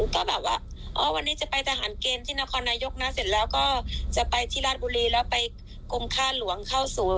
ก็แบบว่าอ๋อวันนี้จะไปทหารเกณฑ์ที่นครนายกนะเสร็จแล้วก็จะไปที่ราชบุรีแล้วไปกรมค่าหลวงเข้าสู่